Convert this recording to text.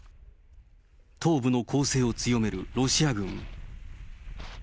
東部の攻勢を強めるロシア軍。